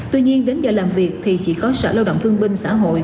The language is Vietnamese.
tuy nhiên đến giờ làm việc thì chỉ có sở lao động thương binh xã hội